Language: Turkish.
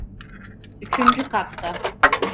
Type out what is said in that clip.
Üçüncü katta.